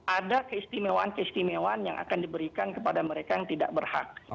ada keistimewaan keistimewaan yang akan diberikan kepada mereka yang tidak berhak